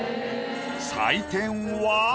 採点は。